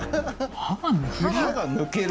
「歯が抜ける」？